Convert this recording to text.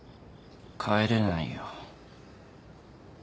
帰れないよ。